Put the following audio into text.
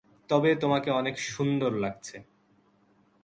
তবে তোমাকে অনেক সুন্দর লাগছে।